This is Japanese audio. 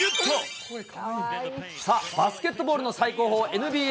さあ、バスケットボールの最高峰、ＮＢＡ。